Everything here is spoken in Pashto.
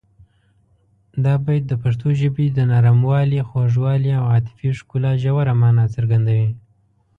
دا بیت د پښتو ژبې د نرموالي، خوږوالي او عاطفي ښکلا ژوره مانا څرګندوي.